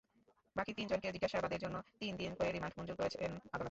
বাকি তিনজনকে জিজ্ঞাসাবাদের জন্য তিন দিন করে রিমান্ড মঞ্জুর করেছেন আদালত।